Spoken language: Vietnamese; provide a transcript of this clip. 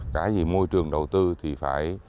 cái gì môi trường đầu tư thì phải